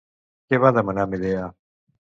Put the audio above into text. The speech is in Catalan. Què va demanar Medea?